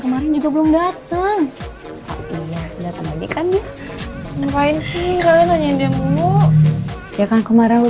kemarin juga belum datang datang lagi kan ya ngerain sih kalian hanya dia mau ya kan kemarau